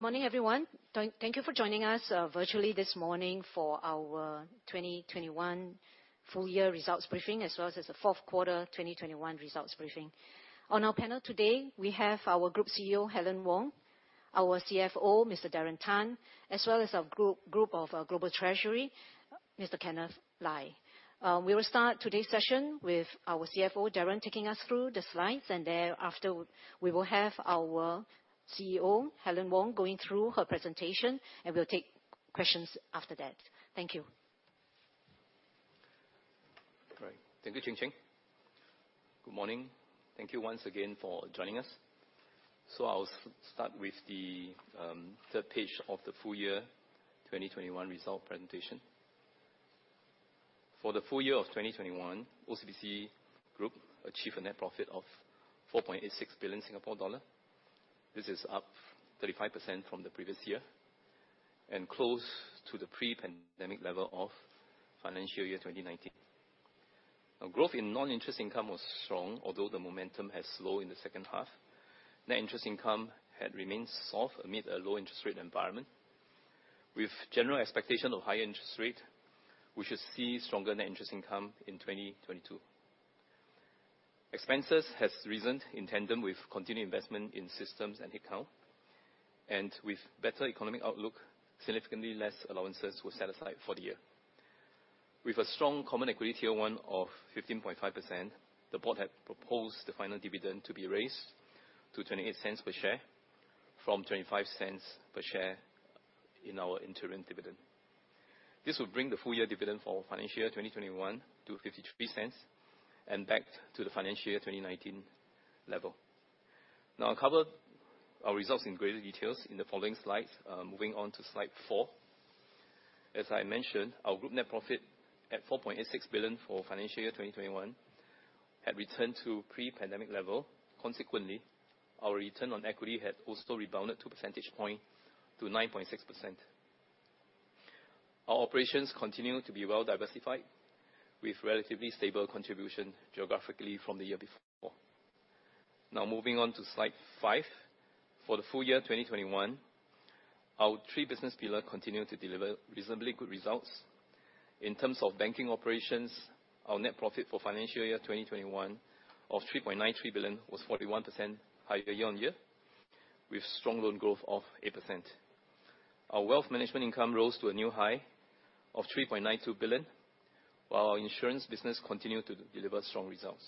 Morning, everyone. Thank you for joining us virtually this morning for our 2021 full year results briefing, as well as the fourth quarter 2021 results briefing. On our panel today, we have our Group CEO, Helen Wong, our CFO, Mr. Darren Tan, as well as our Group Head of Global Treasury, Mr. Kenneth Lai. We will start today's session with our CFO, Darren, taking us through the slides, and thereafter, we will have our CEO, Helen Wong, going through her presentation, and we'll take questions after that. Thank you. All right. Thank you, Ching-Ching. Good morning. Thank you once again for joining us. I'll start with the third page of the full year 2021 result presentation. For the full year of 2021, OCBC Group achieved a net profit of 4.86 billion Singapore dollar. This is up 35% from the previous year and close to the pre-pandemic level of financial year 2019. Now, growth in non-interest income was strong, although the momentum has slowed in the second half. Net interest income had remained soft amid a low interest rate environment. With general expectation of higher interest rate, we should see stronger net interest income in 2022. Expenses has risen in tandem with continued investment in systems and headcount. With better economic outlook, significantly less allowances were set aside for the year. With a strong common equity tier one of 15.5%, the board had proposed the final dividend to be raised to 0.28 per share from 0.25 per share in our interim dividend. This will bring the full year dividend for financial year 2021 to 0.53 and back to the financial year 2019 level. Now, I'll cover our results in greater details in the following slides. Moving on to slide four. As I mentioned, our group net profit of 4.86 billion for financial year 2021 had returned to pre-pandemic level. Consequently, our return on equity had also rebounded 2 percentage points to 9.6%. Our operations continue to be well diversified, with relatively stable contribution geographically from the year before. Now, moving on to slide five. For the full year 2021, our three business pillars continued to deliver reasonably good results. In terms of banking operations, our net profit for financial year 2021 of 3.93 billion was 41% higher year-on-year, with strong loan growth of 8%. Our wealth management income rose to a new high of 3.92 billion, while our insurance business continued to deliver strong results.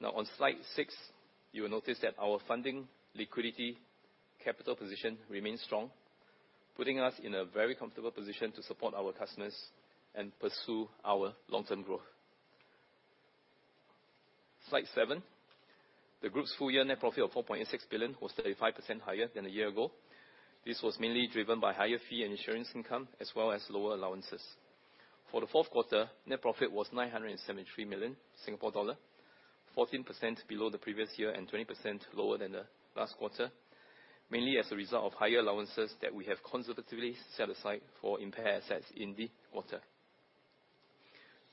Now, on slide six, you will notice that our funding liquidity capital position remains strong, putting us in a very comfortable position to support our customers and pursue our long-term growth. Slide seven. The group's full year net profit of 4.86 billion was 35% higher than a year ago. This was mainly driven by higher fee and insurance income, as well as lower allowances. For the fourth quarter, net profit was 973 million Singapore dollar, 14% below the previous year and 20% lower than the last quarter, mainly as a result of higher allowances that we have conservatively set aside for impaired assets in the quarter.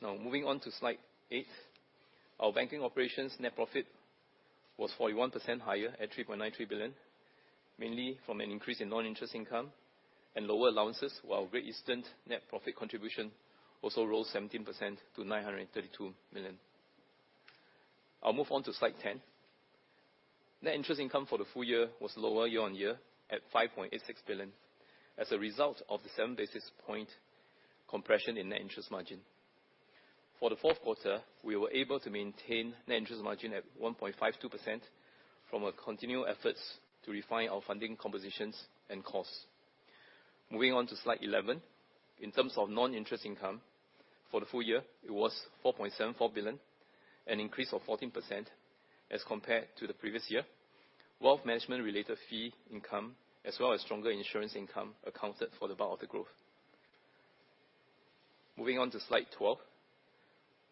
Now, moving on to slide eight. Our banking operation's net profit was 41% higher at 3.93 billion, mainly from an increase in non-interest income and lower allowances, while Great Eastern net profit contribution also rose 17% to 932 million. I'll move on to slide 10. Net interest income for the full year was lower year-on-year at 5.86 billion as a result of the 7 basis points compression in net interest margin. For the fourth quarter, we were able to maintain net interest margin at 1.52% from continued efforts to refine our funding compositions and costs. Moving on to slide 11. In terms of non-interest income, for the full year, it was SGD 4.74 billion, an increase of 14% as compared to the previous year. Wealth management-related fee income as well as stronger insurance income accounted for the bulk of the growth. Moving on to slide 12.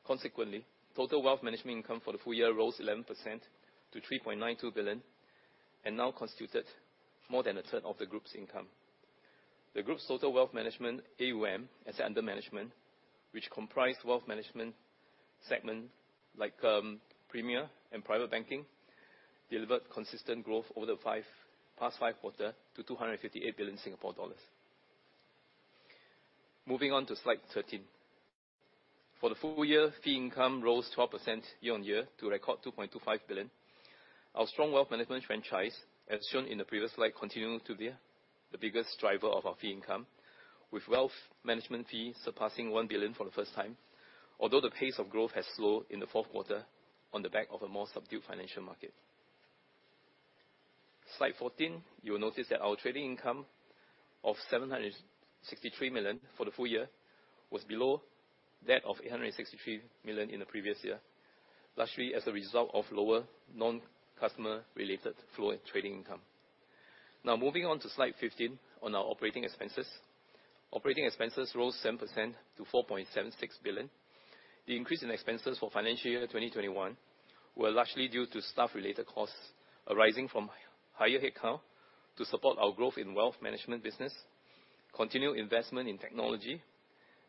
Consequently, total wealth management income for the full year rose 11% to 3.92 billion and now constituted more than a third of the group's income. The group's total wealth management AUM, assets under management, which comprise wealth management segment like premier and private banking, delivered consistent growth over the past five quarters to 258 billion Singapore dollars. Moving on to slide 13. For the full year, fee income rose 12% year-on-year to record 2.25 billion. Our strong wealth management franchise, as shown in the previous slide, continued to be the biggest driver of our fee income, with wealth management fee surpassing 1 billion for the first time. Although the pace of growth has slowed in the fourth quarter on the back of a more subdued financial market. Slide 14, you will notice that our trading income of 763 million for the full year was below that of 863 million in the previous year, largely as a result of lower non-customer related flow and trading income. Now, moving on to slide 15 on our operating expenses. Operating expenses rose 7% to 4.76 billion. The increase in expenses for financial year 2021 were largely due to staff-related costs arising from higher headcount to support our growth in wealth management business. Continued investment in technology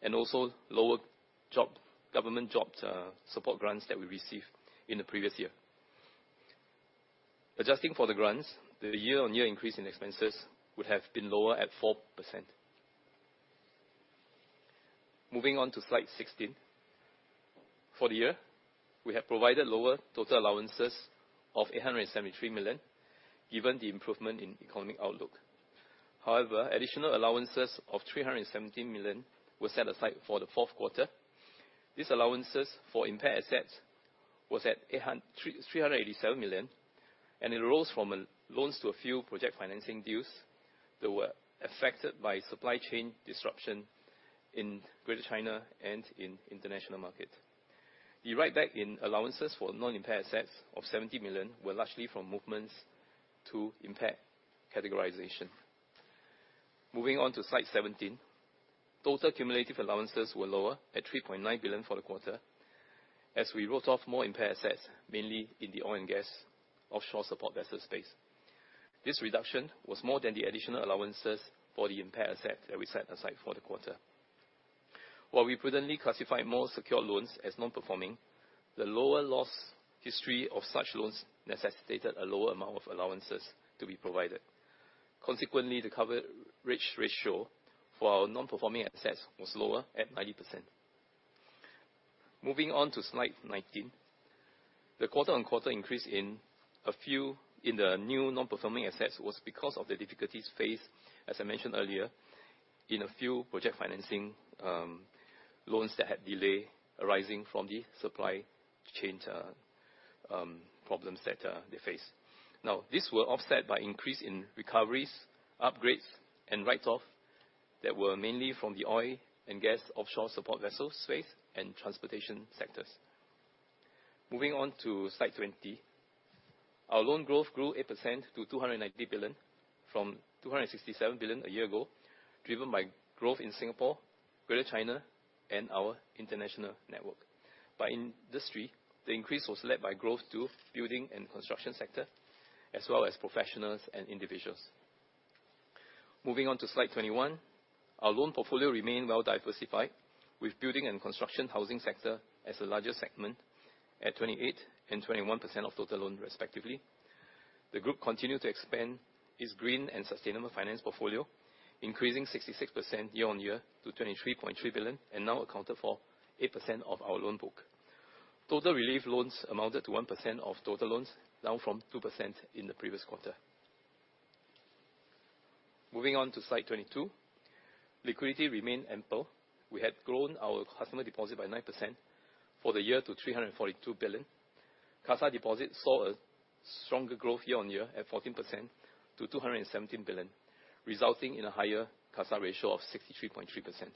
and also lower government job support grants that we received in the previous year. Adjusting for the grants, the year-on-year increase in expenses would have been lower at 4%. Moving on to slide 16. For the year, we have provided lower total allowances of 873 million, given the improvement in economic outlook. However, additional allowances of 317 million were set aside for the fourth quarter. These allowances for impaired assets was at 387 million, and it arose from loans to a few project financing deals that were affected by supply chain disruption in Greater China and in international market. The write-back in allowances for non-impaired assets of 70 million were largely from movements to impaired categorization. Moving on to slide 17. Total cumulative allowances were lower at 3.9 billion for the quarter, as we wrote off more impaired assets, mainly in the oil and gas offshore support vessels space. This reduction was more than the additional allowances for the impaired asset that we set aside for the quarter. While we prudently classified more secured loans as non-performing, the lower loss history of such loans necessitated a lower amount of allowances to be provided. Consequently, the coverage ratio for our non-performing assets was lower at 90%. Moving on to slide 19. The quarter-on-quarter increase in the new non-performing assets was because of the difficulties faced, as I mentioned earlier, in a few project financing loans that had delay arising from the supply chain problems that they face. This were offset by increase in recoveries, upgrades, and write-off that were mainly from the oil and gas offshore support vessels space and transportation sectors. Moving on to slide 20. Our loan growth grew 8% to 290 billion from 267 billion a year ago, driven by growth in Singapore, Greater China, and our international network. By industry, the increase was led by growth to building and construction sector, as well as professionals and individuals. Moving on to slide 21. Our loan portfolio remained well diversified, with building and construction housing sector as the largest segment at 28% and 21% of total loans respectively. The group continued to expand its green and sustainable finance portfolio, increasing 66% year-on-year to 23.3 billion, and now accounted for 8% of our loan book. Total relief loans amounted to 1% of total loans, down from 2% in the previous quarter. Moving on to slide 22. Liquidity remained ample. We had grown our customer deposit by 9% for the year to 342 billion. CASA deposits saw a stronger growth year-on-year at 14% to 217 billion, resulting in a higher CASA ratio of 63.3%.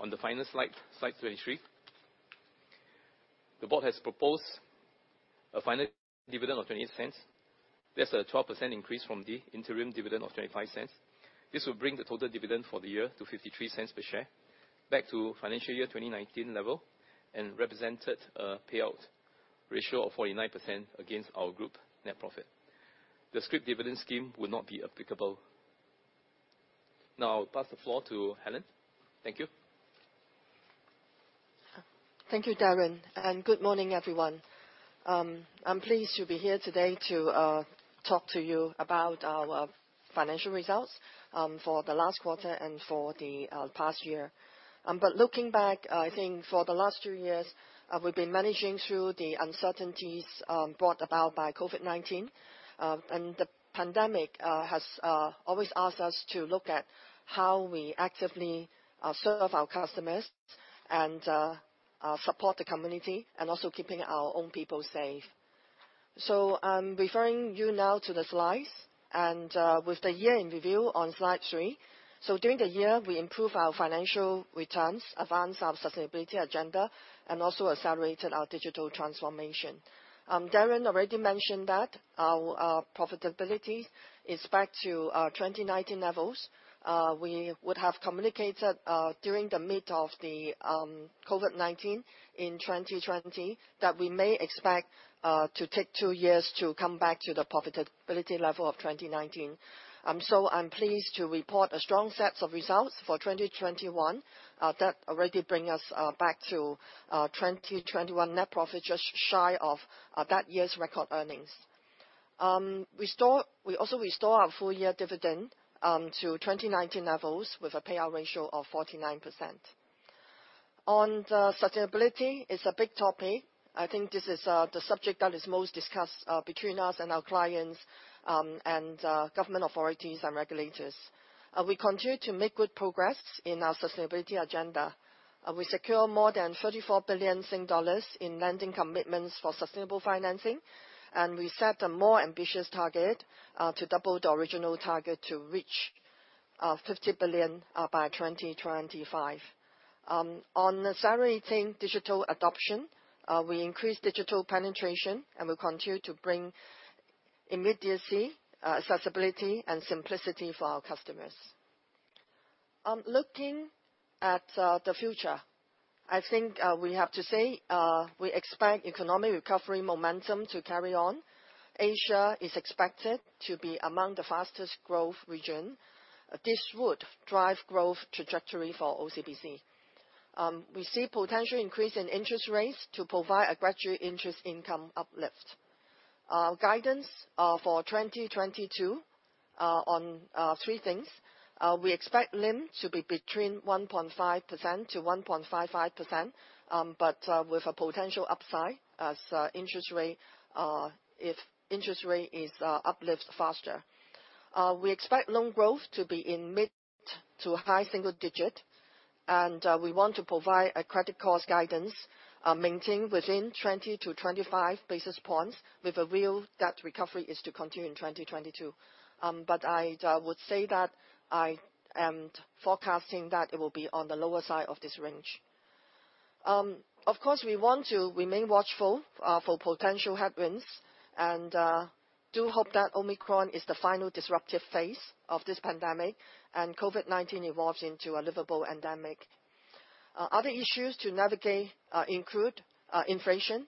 On the final slide 23. The board has proposed a final dividend of 0.20. That's a 12% increase from the interim dividend of 0.25. This will bring the total dividend for the year to 0.53 per share, back to financial year 2019 level, and represented a payout ratio of 49% against our group net profit. The scrip dividend scheme will not be applicable. Now I pass the floor to Helen. Thank you. Thank you, Darren, and good morning, everyone. I'm pleased to be here today to talk to you about our financial results for the last quarter and for the past year. Looking back, I think for the last two years, we've been managing through the uncertainties brought about by COVID-19. The pandemic has always asked us to look at how we actively serve our customers and support the community and also keeping our own people safe. I'm referring you now to the slides and with the year in review on slide three. During the year, we improved our financial returns, advanced our sustainability agenda, and also accelerated our digital transformation. Darren already mentioned that our profitability is back to 2019 levels. We would have communicated during the midst of the COVID-19 in 2020 that we may expect to take two years to come back to the profitability level of 2019. I'm pleased to report a strong set of results for 2021 that already bring us back to 2021 net profit, just shy of that year's record earnings. We also restore our full year dividend to 2019 levels with a payout ratio of 49%. On the sustainability, it's a big topic. I think this is the subject that is most discussed between us and our clients and government authorities and regulators. We continue to make good progress in our sustainability agenda. We secure more than 34 billion dollars in lending commitments for sustainable financing, and we set a more ambitious target to double the original target to reach 50 billion by 2025. On accelerating digital adoption, we increased digital penetration and we continue to bring immediacy, accessibility, and simplicity for our customers. Looking at the future, I think we have to say we expect economic recovery momentum to carry on. Asia is expected to be among the fastest growth region. This would drive growth trajectory for OCBC. We see potential increase in interest rates to provide a gradual interest income uplift. Guidance for 2022 on three things. We expect NIM to be between 1.5%-1.55%, but with a potential upside as interest rate if interest rate is uplift faster. We expect loan growth to be in mid- to high-single-digit, and we want to provide a credit cost guidance maintained within 20-25 basis points with a view that recovery is to continue in 2022. I would say that I am forecasting that it will be on the lower side of this range. Of course, we want to remain watchful for potential headwinds and do hope that Omicron is the final disruptive phase of this pandemic, and COVID-19 evolves into a livable endemic. Other issues to navigate include inflation,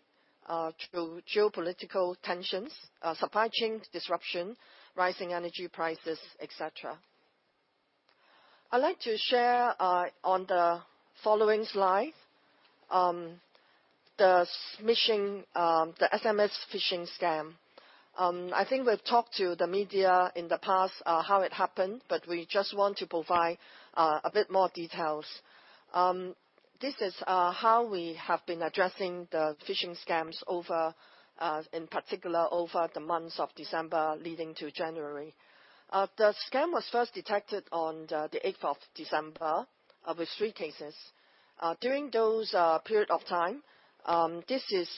geopolitical tensions, supply chain disruption, rising energy prices, et cetera. I'd like to share on the following slide the smishing, the SMS phishing scam. I think we've talked to the media in the past how it happened, but we just want to provide a bit more details. This is how we have been addressing the phishing scams, in particular, over the months of December leading to January. The scam was first detected on the 8th of December with three cases. During those period of time, this is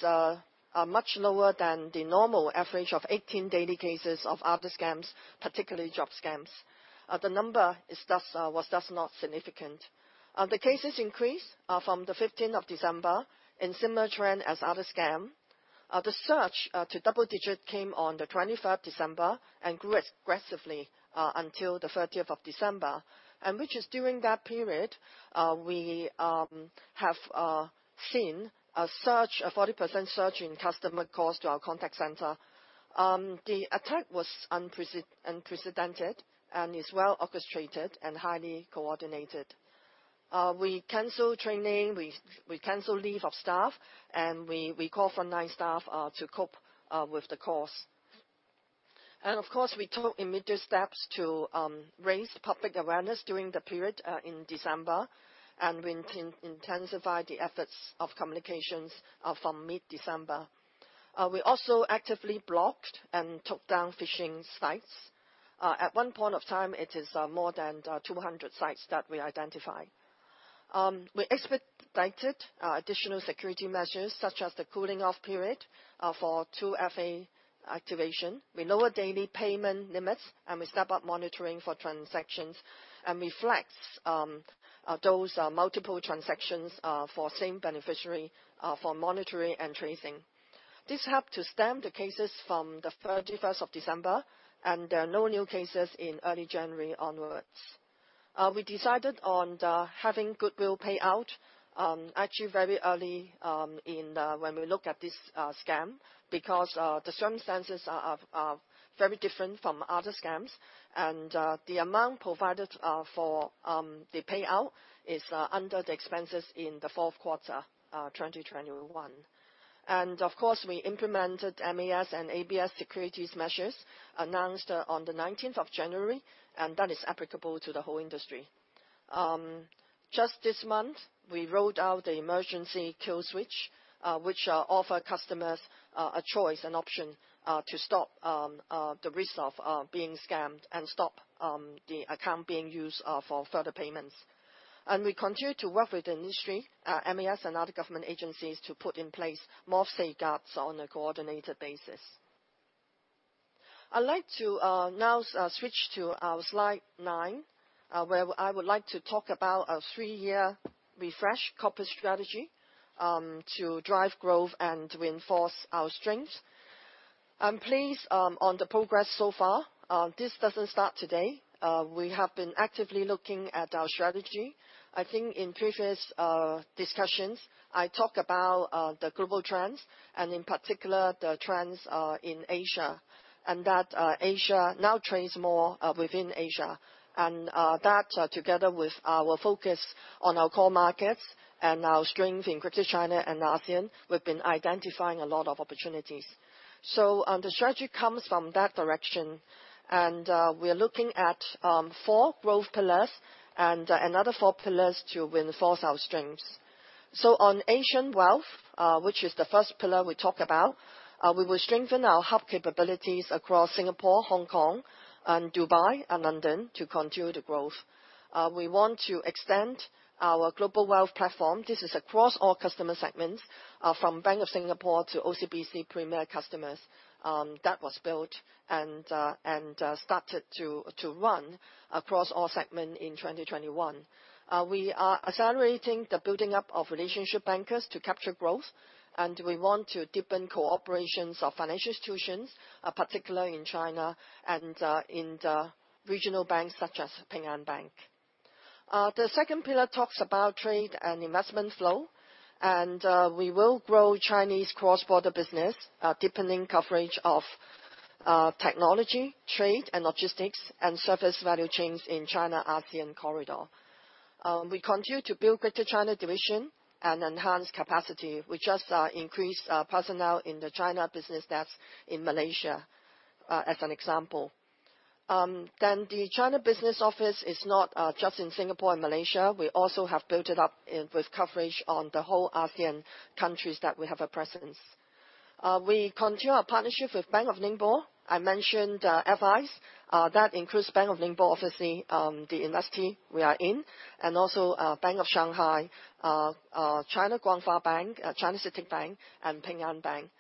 much lower than the normal average of 18 daily cases of other scams, particularly job scams. The number was thus not significant. The cases increased from the 15th of December in similar trend as other scam. The surged to double digit on the 25th December and grew aggressively until the 30th of December. Which is during that period, we have seen a surge, a 40% surge in customer calls to our contact center. The attack was unprecedented and is well orchestrated and highly coordinated. We cancel training, we cancel leave of staff, and we call for nine staff to cope with the calls. Of course, we took immediate steps to raise public awareness during the period in December, and we intensify the efforts of communications from mid-December. We also actively blocked and took down phishing sites. At one point of time, it is more than 200 sites that we identified. We expedited additional security measures such as the cooling-off period for 2FA activation. We lower daily payment limits, and we step up monitoring for transactions and reject those multiple transactions for same beneficiary for monitoring and tracing. This helped to stem the cases from 31 December, and there are no new cases in early January onwards. We decided on the having goodwill payout actually very early in when we look at this scam because the circumstances are very different from other scams. The amount provided for the payout is under the expenses in the fourth quarter 2021. Of course, we implemented MAS and ABS security measures announced on the 19th of January, and that is applicable to the whole industry. Just this month, we rolled out the emergency kill switch, which offers customers a choice and option to stop the risk of being scammed and stop the account being used for further payments. We continue to work with the industry, MAS and other government agencies to put in place more safeguards on a coordinated basis. I'd like to now switch to slide nine, where I would like to talk about our three-year refresh corporate strategy to drive growth and to reinforce our strengths. I'm pleased on the progress so far. This doesn't start today. We have been actively looking at our strategy. I think in previous discussions, I talked about the global trends and in particular the trends in Asia, that Asia now trades more within Asia, that together with our focus on our core markets and our strength in Greater China and ASEAN, we've been identifying a lot of opportunities. The strategy comes from that direction, and we are looking at four growth pillars and another four pillars to reinforce our strengths. On Asian wealth, which is the first pillar we talk about, we will strengthen our hub capabilities across Singapore, Hong Kong, Dubai, and London to continue the growth. We want to extend our global wealth platform. This is across all customer segments from Bank of Singapore to OCBC Premier customers that was built and started to run across all segments in 2021. We are accelerating the building up of relationship bankers to capture growth, and we want to deepen cooperation with financial institutions, particularly in China and in the regional banks, such as Ping An Bank. The second pillar talks about trade and investment flow. We will grow Chinese cross-border business, deepening coverage of technology, trade, and logistics, and supply value chains in China-ASEAN corridor. We continue to build Greater China division and enhance capacity. We just increased our personnel in the China business that's in Malaysia, as an example. The China business office is not just in Singapore and Malaysia. We also have built it up with coverage on the whole ASEAN countries that we have a presence. We continue our partnership with Bank of Ningbo. I mentioned FIs. That includes Bank of Ningbo, obviously, the industry we are in, Bank of Shanghai, China Guangfa Bank, China CITIC Bank, and Ping An Bank,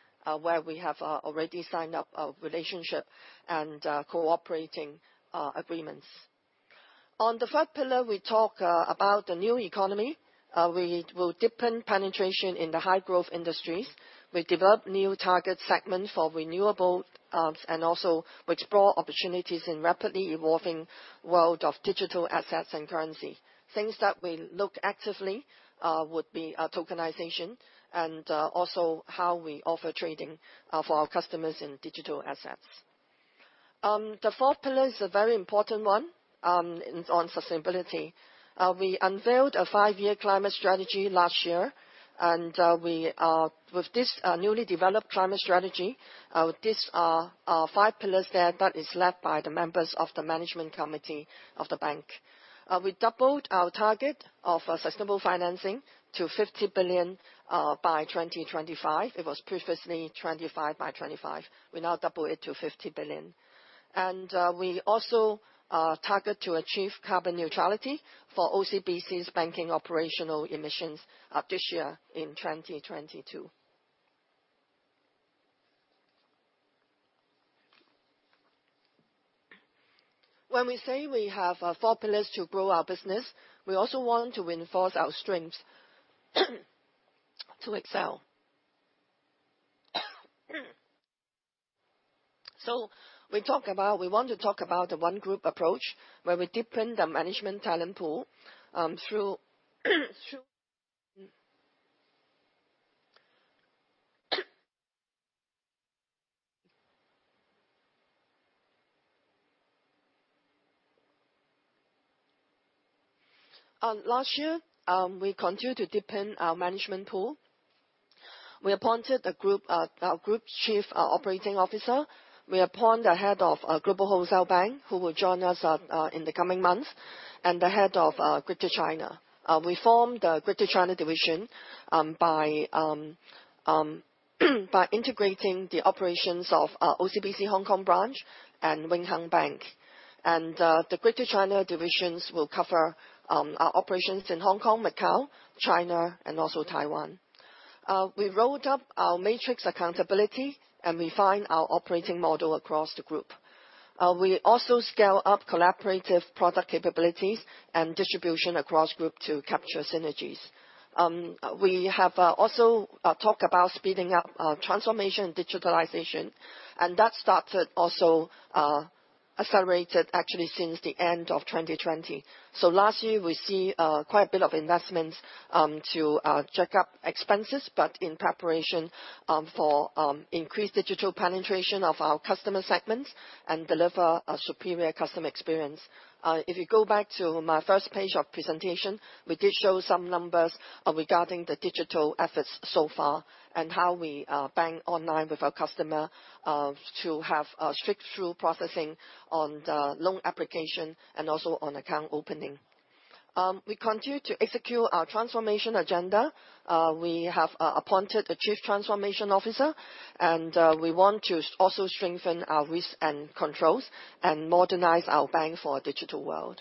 where we have already signed up a relationship and cooperating agreements. On the third pillar, we talk about the new economy. We will deepen penetration in the high-growth industries. We develop new target segment for renewable and also explore opportunities in rapidly evolving world of digital assets and currency. Things that we look actively would be a tokenization and also how we offer trading for our customers in digital assets. The fourth pillar is a very important one, on sustainability. We unveiled a five-year climate strategy last year, and with this newly developed climate strategy, with this five pillars there that is led by the members of the management committee of the bank. We doubled our target of a sustainable financing to 50 billion by 2025. It was previously 25 by 2025. We now double it to 50 billion. We also target to achieve carbon neutrality for OCBC's banking operational emissions this year in 2022. When we say we have four pillars to grow our business, we also want to reinforce our strengths to excel. We want to talk about the one group approach, where we deepen the management talent pool through. Last year, we continued to deepen our management pool. We appointed a Group Chief Operating Officer. We appoint the Head of Global Wholesale Banking, who will join us in the coming months, and the Head of Greater China. We formed the Greater China division by integrating the operations of OCBC Hong Kong Branch and Wing Hang Bank. The Greater China division will cover our operations in Hong Kong, Macau, China, and also Taiwan. We rolled up our matrix accountability, and we refined our operating model across the group. We also scale up collaborative product capabilities and distribution across group to capture synergies. We have also talked about speeding up transformation and digitalization, and that started, also accelerated actually since the end of 2020. Last year we saw quite a bit of investments to jack up expenses, but in preparation for increased digital penetration of our customer segments and deliver a superior customer experience. If you go back to my first page of presentation, we did show some numbers regarding the digital efforts so far and how we bank online with our customers to have a straight-through processing on the loan application and also on account opening. We continue to execute our transformation agenda. We have appointed a Chief Transformation Officer, and we want to also strengthen our risk and controls and modernize our bank for a digital world.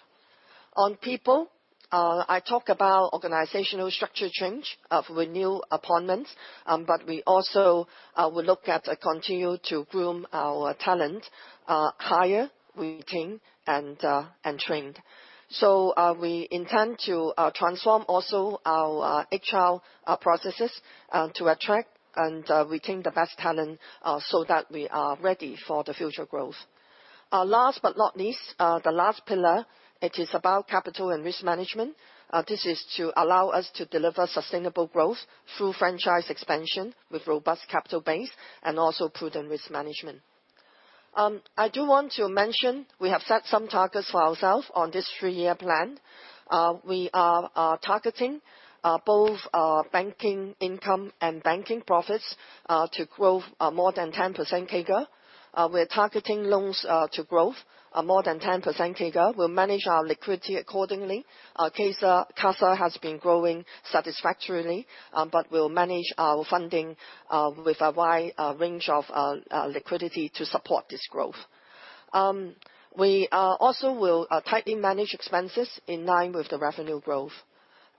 On people, I talk about organizational structure changes or renewed appointments, but we also will look at and continue to groom our talent, hire, retain, and train. We intend to transform also our HR processes to attract and retain the best talent so that we are ready for the future growth. Last but not least, the last pillar, it is about capital and risk management. This is to allow us to deliver sustainable growth through franchise expansion with robust capital base and also prudent risk management. I do want to mention we have set some targets for ourselves on this three-year plan. We are targeting both banking income and banking profits to grow more than 10% CAGR. We're targeting loan growth more than 10% CAGR. We'll manage our liquidity accordingly. Our CASA has been growing satisfactorily, but we'll manage our funding with a wide range of liquidity to support this growth. We also will tightly manage expenses in line with the revenue growth.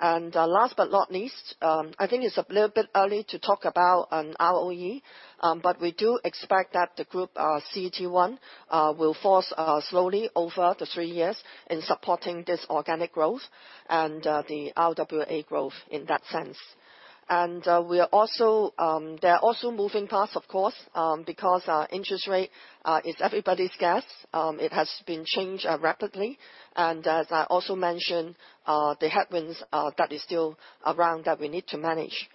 Last but not least, I think it's a little bit early to talk about an ROE, but we do expect that the group CET1 will fall slowly over the three years in supporting this organic growth and the RWA growth in that sense. There are also moving parts, of course, because our interest rate is everybody's guess. It has been changed rapidly. As I also mentioned, the headwinds that is still around that we need to manage.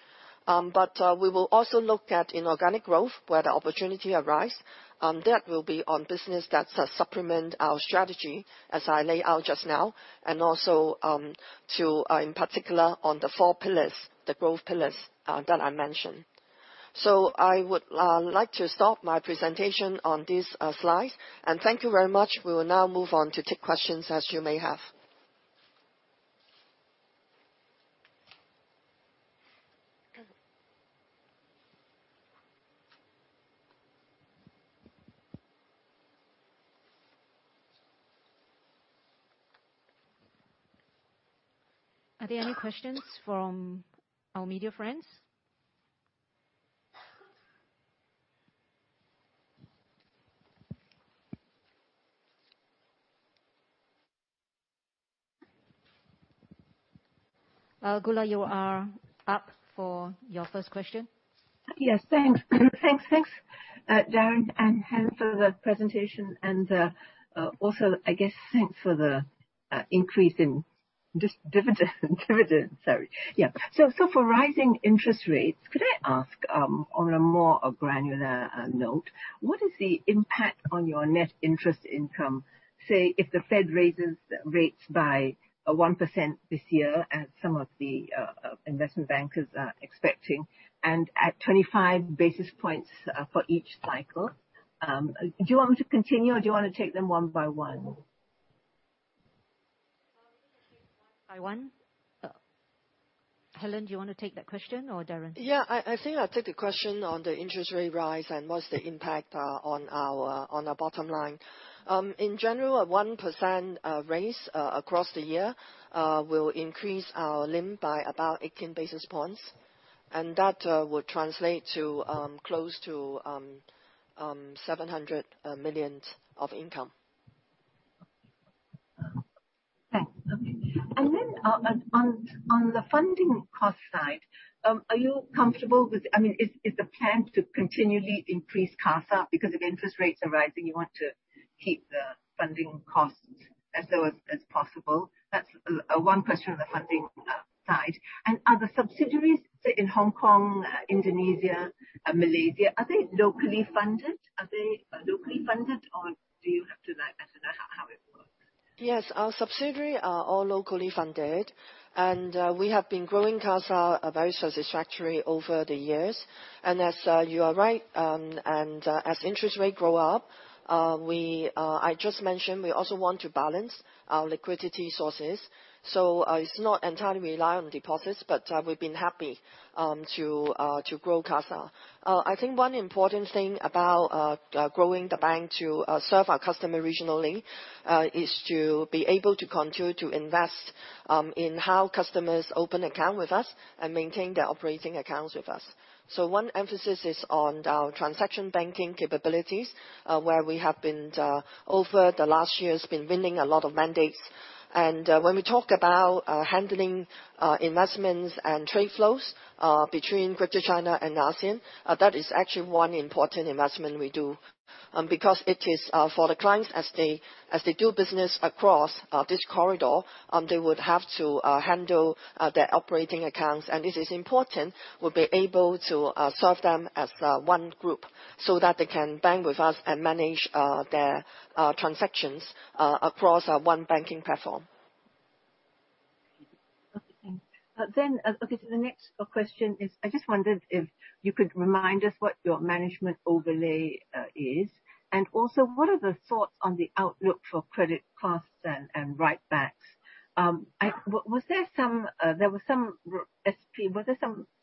But we will also look at inorganic growth where the opportunity arise, that will be on business that supplement our strategy as I lay out just now. Also, to, in particular, on the four pillars, the growth pillars, that I mentioned. I would like to stop my presentation on this slide. Thank you very much. We will now move on to take questions as you may have. Are there any questions from our media friends? Goola, you are up for your first question. Yes. Thanks, Darren and Helen for the presentation. Also, I guess thanks for the increase in this dividend. For rising interest rates, could I ask on a more granular note, what is the impact on your net interest income? Say, if the Fed raises rates by 1% this year as some of the investment bankers are expecting and at 25 basis points for each cycle. Do you want me to continue or do you want to take them one by one? We can take one by one. Helen, do you wanna take that question or Darren? Yeah. I think I'll take the question on the interest rate rise and what's the impact on our bottom line. In general, a 1% raise across the year will increase our NIM by about 18 basis points, and that would translate to close to 700 million of income. Thanks. Okay. Then, on the funding cost side, are you comfortable with? I mean, is the plan to continually increase CASA? Because if interest rates are rising, you want to keep the funding costs as low as possible. That's one question on the funding side. Are the subsidiaries in Hong Kong, Indonesia, and Malaysia locally funded or do you have to like estimate how it works? Yes, our subsidiary are all locally funded and we have been growing CASA a very satisfactory over the years. As you are right, as interest rate go up, I just mentioned, we also want to balance our liquidity sources. It's not entirely rely on deposits, but we've been happy to grow CASA. I think one important thing about growing the bank to serve our customer regionally is to be able to continue to invest in how customers open account with us and maintain their operating accounts with us. One emphasis is on our transaction banking capabilities, where we have been over the last years winning a lot of mandates. When we talk about handling investments and trade flows between Greater China and ASEAN, that is actually one important investment we do. Because it is for the clients as they do business across this corridor, they would have to handle their operating accounts, and this is important. We'll be able to serve them as one group so that they can bank with us and manage their transactions across one banking platform. Okay, thanks. The next question is, I just wondered if you could remind us what your management overlay is? And also what are the thoughts on the outlook for credit costs and write-backs? Were there some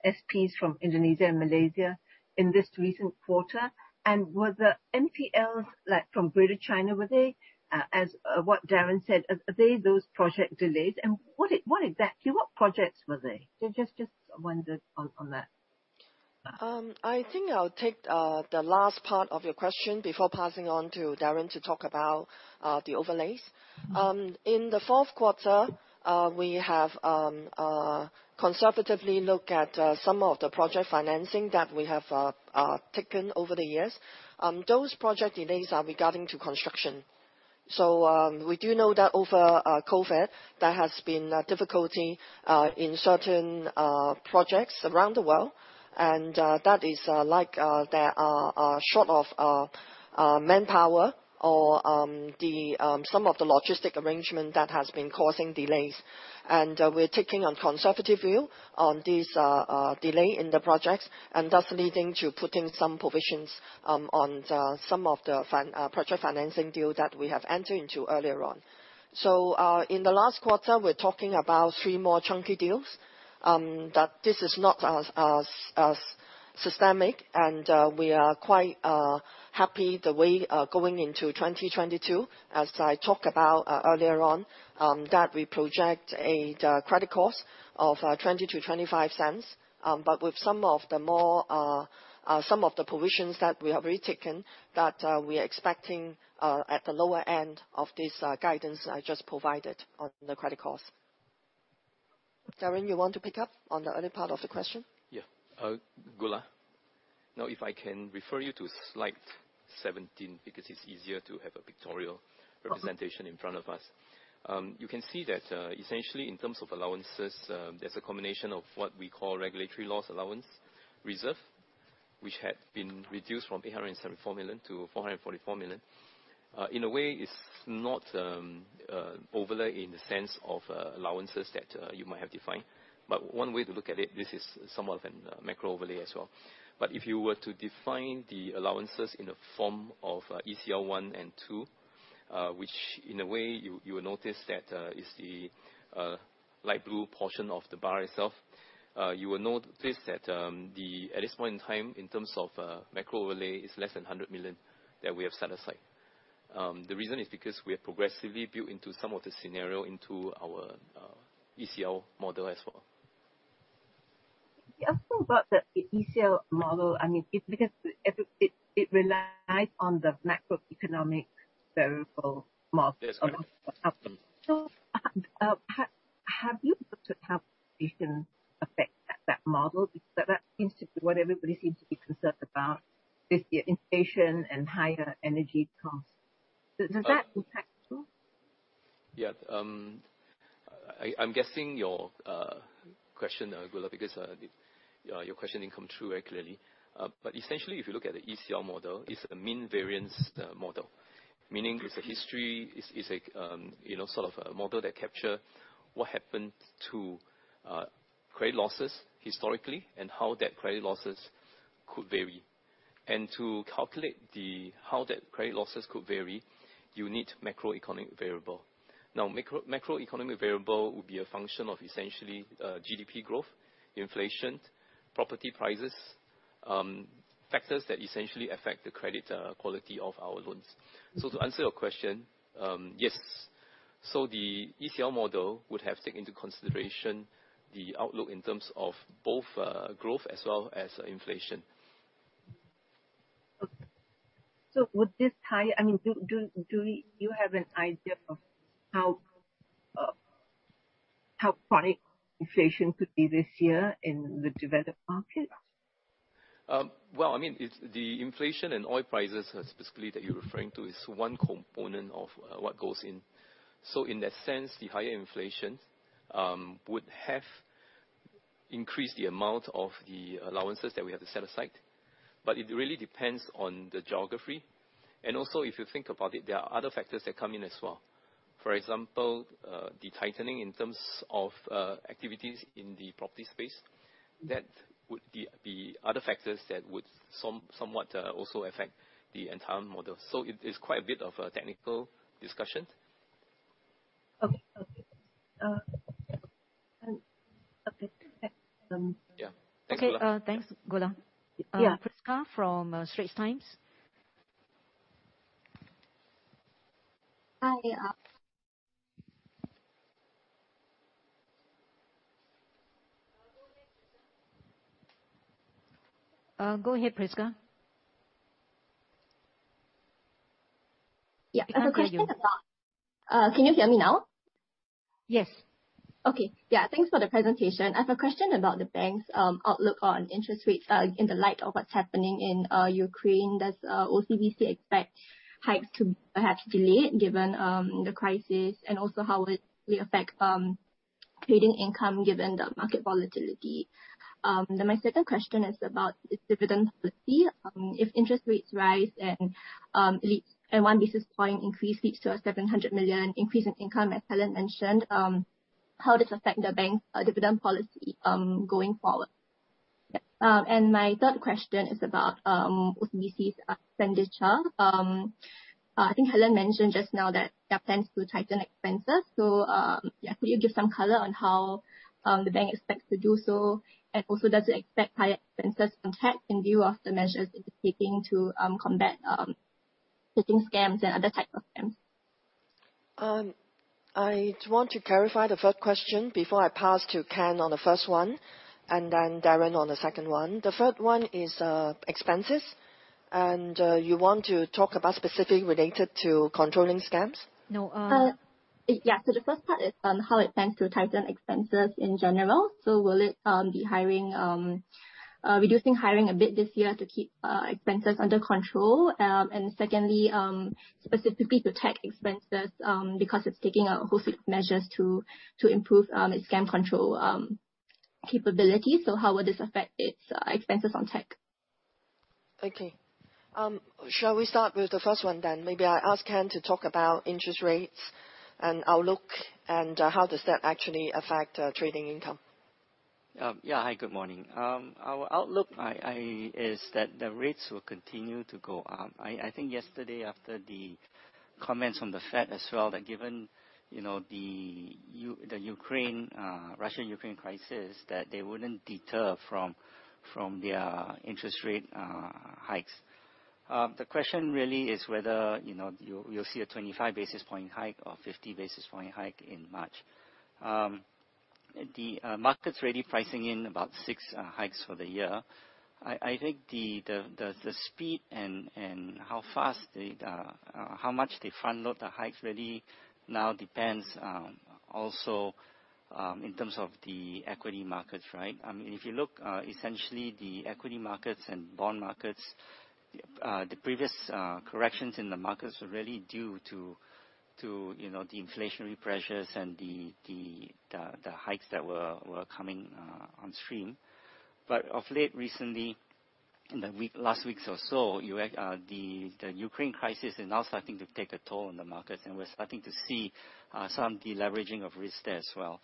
SPs from Indonesia and Malaysia in this recent quarter? And were the NPLs, like, from Greater China, were they, as what Darren said, are they those project delays? And what exactly what projects were they? Just wondered on that. I think I'll take the last part of your question before passing on to Darren to talk about the overlays. In the fourth quarter, we have conservatively looked at some of the project financing that we have taken over the years. Those project delays are regarding to construction. We do know that over COVID, there has been a difficulty in certain projects around the world, and that is like there are short of manpower or the some of the logistic arrangement that has been causing delays. We're taking a conservative view on this delay in the projects and thus leading to putting some provisions on the some of the project financing deal that we have entered into earlier on. In the last quarter, we're talking about three more chunky deals that this is not as systemic, and we are quite happy the way going into 2022. I talked about earlier on that we project the credit cost of 0.20-0.25, but with some of the provisions that we have already taken that we are expecting at the lower end of this guidance I just provided on the credit cost. Darren, you want to pick up on the other part of the question? Yeah. Goola. Now, if I can refer you to slide 17 because it's easier to have a pictorial- Uh-huh. Representation in front of us. You can see that, essentially, in terms of allowances, there's a combination of what we call regulatory loss allowance reserve, which had been reduced from 874 million-444 million. In a way, it's not overlay in the sense of allowances that you might have defined. One way to look at it, this is somewhat of a macro overlay as well. If you were to define the allowances in the form of ECL one and two, which in a way you will notice that is the light blue portion of the bar itself. You will note this, that at this point in time in terms of macro overlay, is less than 100 million that we have set aside. The reason is because we have progressively built some of the scenarios into our ECL model as well. About the ECL model, I mean, it's because it relies on the macroeconomic variable model. That's correct. Of what happens. Have you looked at how you can affect that model? Because that seems to be what everybody seems to be concerned about, is the inflation and higher energy costs. Does that impact you? Yeah. I'm guessing your question, Goola, because your question didn't come through very clearly. But essentially, if you look at the ECL model, it's a mean-variance model. Meaning it's a historical model. You know, sort of a model that captures what happened to credit losses historically and how those credit losses could vary. To calculate how those credit losses could vary, you need macroeconomic variables. Now, macroeconomic variables would be a function of essentially GDP growth, inflation, property prices, factors that essentially affect the credit quality of our loans. To answer your question, yes. The ECL model would have taken into consideration the outlook in terms of both growth as well as inflation. Would you have an idea of how chronic inflation could be this year in the developed markets? Well, I mean, it's the inflation and oil prices specifically that you're referring to is one component of what goes in. In that sense, the higher inflation would have increased the amount of the allowances that we have to set aside. It really depends on the geography. Also, if you think about it, there are other factors that come in as well. For example, the tightening in terms of activities in the property space. That would be other factors that would somewhat also affect the entire model. It is quite a bit of a technical discussion. Okay. Thanks. Yeah. Thanks, Goola. Okay. Thanks, Goola. Yeah. Prisca from Straits Times. Hi. Go ahead, Prisca. Yeah. We can't hear you. I have a question about. Can you hear me now? Yes. Okay. Yeah. Thanks for the presentation. I have a question about the bank's outlook on interest rates, in the light of what's happening in Ukraine. Does OCBC expect hikes to perhaps delay it, given the crisis, and also how will it affect trading income given the market volatility? My second question is about its dividend policy. If interest rates rise and leads, a one basis point increase leads to a 700 million increase in income, as Helen mentioned, how does this affect the bank's dividend policy going forward? My third question is about OCBC's expenditure. I think Helen mentioned just now that there are plans to tighten expenses. Yeah, could you give some color on how the bank expects to do so? Does it expect higher expenses on tech in view of the measures it is taking to combat phishing scams and other type of scams? I want to clarify the third question before I pass to Ken on the first one, and then Darren on the second one. The third one is expenses, and you want to talk about specifics related to controlling scams? No. Uh- Yeah. The first part is on how it plans to tighten expenses in general. Will it be reducing hiring a bit this year to keep expenses under control? Secondly, specifically to tech expenses, because it's taking holistic measures to improve its scam control capabilities. How will this affect its expenses on tech? Okay. Shall we start with the first one then? Maybe I ask Ken to talk about interest rates and outlook, and how does that actually affect trading income. Yeah. Hi, good morning. Our outlook is that the rates will continue to go up. I think yesterday after the comments from the Fed as well, that given you know the Ukraine Russian-Ukrainian crisis, that they wouldn't deter from their interest rate hikes. The question really is whether you know you'll see a 25 basis point hike or a 50 basis point hike in March. The market's already pricing in about six hikes for the year. I think the speed and how fast they how much they front load the hikes really now depends also in terms of the equity markets, right? I mean, if you look essentially the equity markets and bond markets, the previous corrections in the markets were really due to you know the inflationary pressures and the hikes that were coming on stream. Of late, recently, in the last week or so, the Ukraine crisis is now starting to take a toll on the markets, and we're starting to see some deleveraging of risk there as well.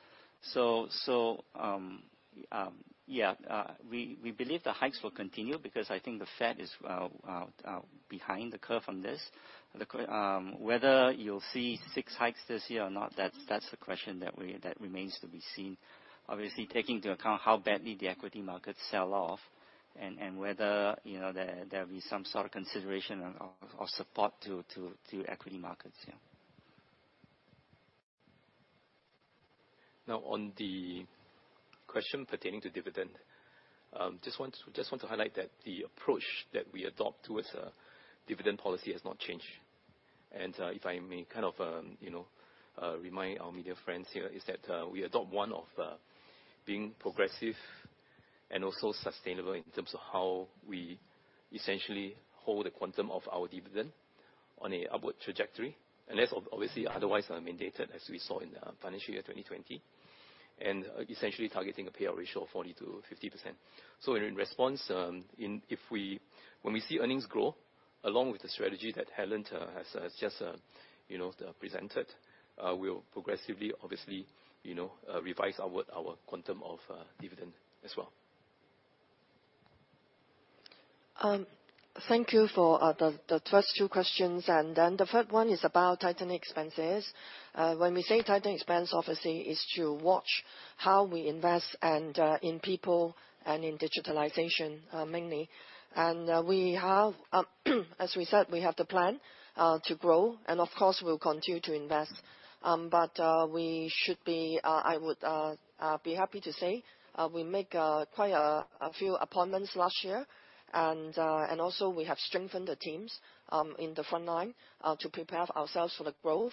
We believe the hikes will continue because I think the Fed is behind the curve on this. The question whether you'll see six hikes this year or not, that's the question that remains to be seen. Obviously, taking into account how badly the equity markets sell off and whether, you know, there'll be some sort of consideration or support to equity markets, yeah. Now, on the question pertaining to dividend, just want to highlight that the approach that we adopt towards a dividend policy has not changed. If I may kind of, you know, remind our media friends here is that, we adopt one of, being progressive and also sustainable in terms of how we essentially hold the quantum of our dividend on a upward trajectory, unless obviously otherwise, mandated, as we saw in, financial year 2020. Essentially targeting a payout ratio of 40%-50%. In response, when we see earnings grow, along with the strategy that Helen has just, you know, presented, we'll progressively obviously, you know, revise our quantum of dividend as well. Thank you for the first two questions. Then the third one is about tightening expenses. When we say tightening expenses, obviously, is to watch how we invest in people and in digitalization, mainly. We have, as we said, the plan to grow, and of course we'll continue to invest. We should be happy to say we made quite a few appointments last year. We have strengthened the teams in the front line to prepare ourselves for the growth.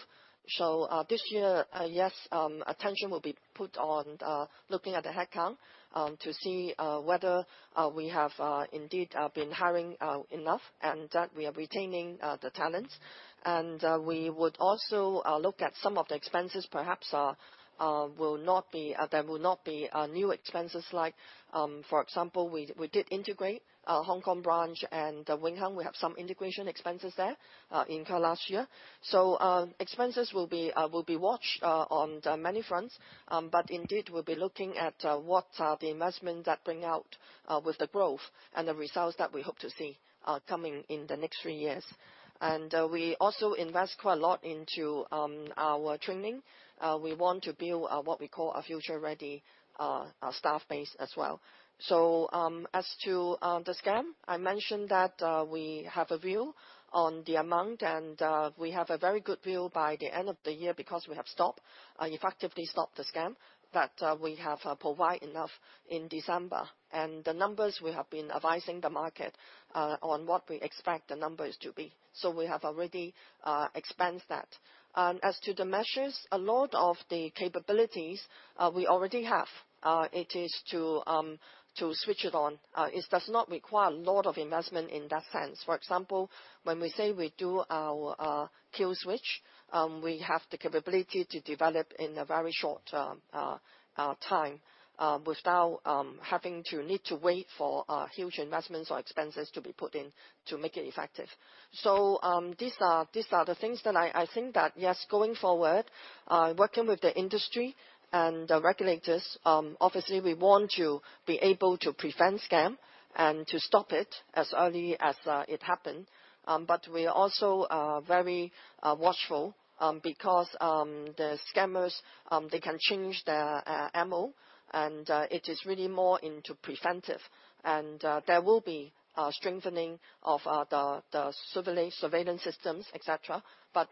This year, attention will be put on looking at the headcount to see whether we have indeed been hiring enough and that we are retaining the talents. We would also look at some of the expenses. Perhaps there will not be new expenses like, for example, we did integrate our Hong Kong branch and Wing Hang. We have some integration expenses there incurred last year. Expenses will be watched on many fronts. Indeed, we'll be looking at what are the investments that bring about with the growth and the results that we hope to see coming in the next three years. We also invest quite a lot into our training. We want to build what we call a future-ready staff base as well. As to the scam, I mentioned that we have a view on the amount and we have a very good view by the end of the year because we have effectively stopped the scam. We have provided enough in December. The numbers we have been advising the market on what we expect the numbers to be. We have already expanded that. As to the measures, a lot of the capabilities we already have. It is to switch it on. It does not require a lot of investment in that sense. For example, when we say we do our kill switch, we have the capability to develop in a very short-term time, without having to need to wait for huge investments or expenses to be put in to make it effective. These are the things that I think that, yes, going forward, working with the industry and the regulators, obviously we want to be able to prevent scam and to stop it as early as it happened. We are also very watchful, because the scammers they can change their MO, and it is really more into preventive. There will be strengthening of the surveillance systems, et cetera.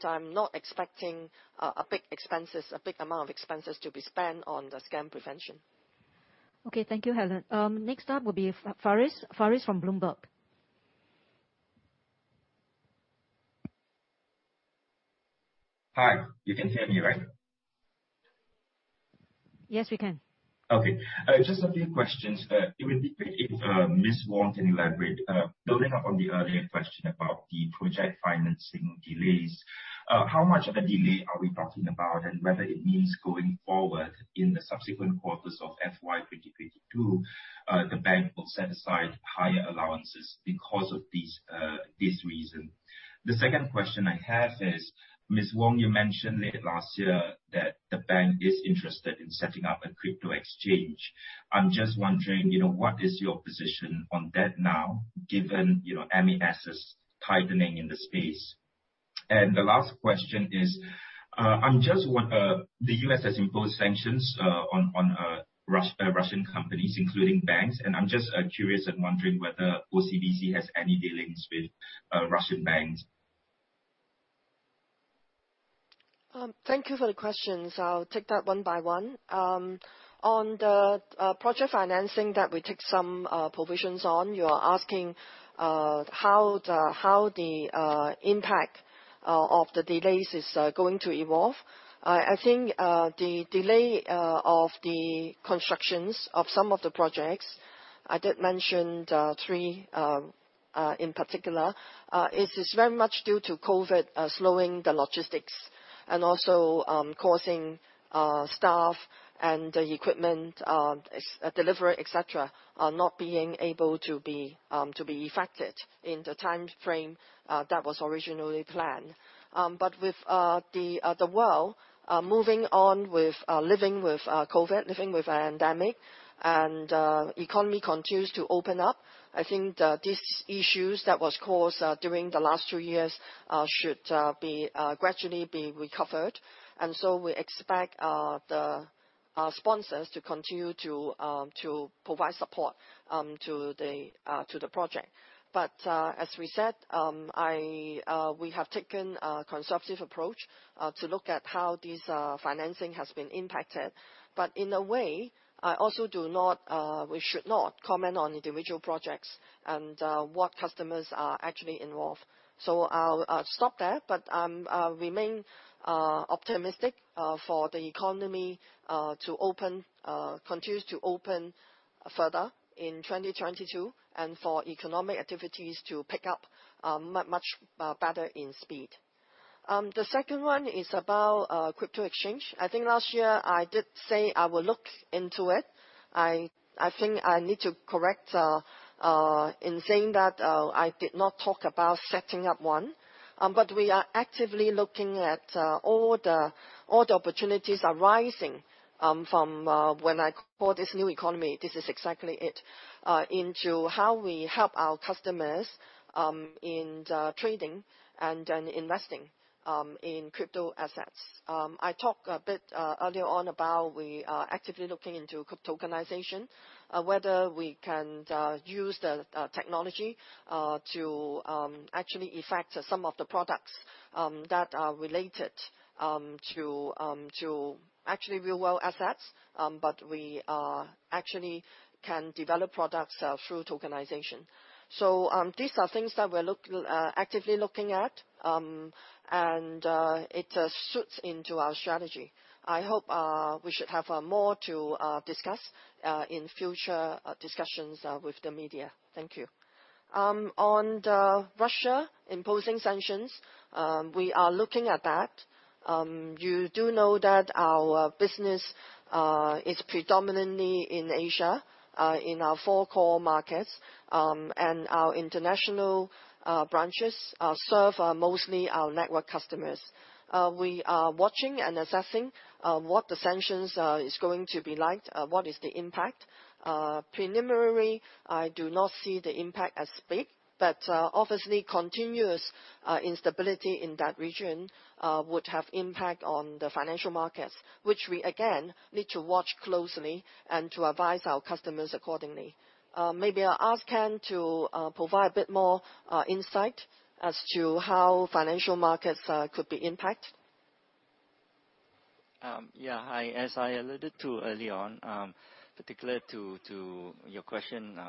I'm not expecting a big expenses, a big amount of expenses to be spent on the scam prevention. Okay. Thank you, Helen. Next up will be Farish. Farish from Bloomberg. Hi. You can hear me, right? Yes, we can. Okay. Just a few questions. It would be great if Ms. Wong can elaborate. Building up on the earlier question about the project financing delays, how much of a delay are we talking about, and whether it means going forward in the subsequent quarters of FY 2022, the bank will set aside higher allowances because of this reason? The second question I have is, Ms. Wong, you mentioned late last year that the bank is interested in setting up a crypto exchange. I'm just wondering, you know, what is your position on that now, given, you know, MAS is tightening in the space? The last question is, I'm just wondering, the U.S. has imposed sanctions on Russian companies, including banks. I'm just curious and wondering whether OCBC has any dealings with Russian banks? Thank you for the questions. I'll take that one by one. On the project financing that we take some provisions on, you're asking how the impact of the delays is going to evolve. I think the delay of the constructions of some of the projects, I did mention the three in particular, it is very much due to COVID slowing the logistics and also causing staff and the equipment delivery, et cetera, are not being able to be effected in the timeframe that was originally planned. With the world moving on with living with COVID, living with a pandemic and the economy continues to open up, I think that these issues that was caused during the last two years should gradually be recovered. We expect the sponsors to continue to provide support to the project. As we said, we have taken a conservative approach to look at how these financing has been impacted. In a way, we should not comment on individual projects and what customers are actually involved. I'll stop there, but I'll remain optimistic for the economy to continue to open further in 2022 and for economic activities to pick up much better in speed. The second one is about crypto exchange. I think last year I did say I will look into it. I think I need to correct in saying that I did not talk about setting up one. But we are actively looking at all the opportunities arising from what I call this new economy. This is exactly it, into how we help our customers in the trading and in investing in crypto assets. I talked a bit earlier on about we are actively looking into tokenization whether we can use the technology to actually effect some of the products that are related to actually real world assets. We actually can develop products through tokenization. These are things that we're actively looking at and it fits into our strategy. I hope we should have more to discuss in future discussions with the media. Thank you. On Russia imposing sanctions, we are looking at that. You do know that our business is predominantly in Asia in our four core markets and our international branches serve mostly our network customers. We are watching and assessing what the sanctions is going to be like, what is the impact. Preliminary, I do not see the impact as big, but obviously, continuous instability in that region would have impact on the financial markets, which we again need to watch closely and to advise our customers accordingly. Maybe I'll ask Ken to provide a bit more insight as to how financial markets could be impacted. Yeah, hi. As I alluded to early on, particularly to your question,